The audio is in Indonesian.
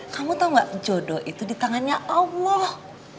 kamu tau gak jodoh itu di tangannya allah